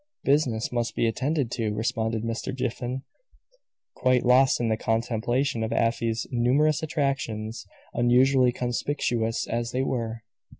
"Business must be attended to," responded Mr. Jiffin, quite lost in the contemplation of Afy's numerous attractions, unusually conspicuous as they were.